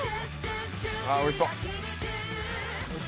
あおいしそう！